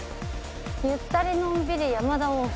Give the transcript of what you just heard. ゆったりのんびり山田温泉。